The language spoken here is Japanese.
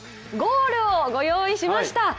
ゴールをご用意しました。